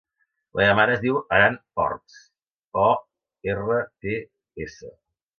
La meva mare es diu Aran Orts: o, erra, te, essa.